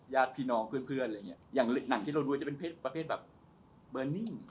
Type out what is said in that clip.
ญาติพี่น้องเพื่อนอย่างหนังที่เราดูจะเป็นประเภทแบบเบอร์นี่